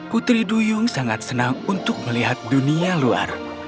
putri duyung sangat senang untuk melihat dunia luar